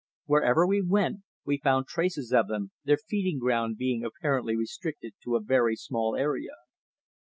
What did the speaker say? Wherever we went, we found traces of them, their feeding ground being apparently restricted to a very small area.